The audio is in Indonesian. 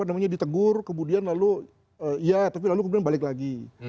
namanya ditegur kemudian lalu ya tapi lalu kemudian balik lagi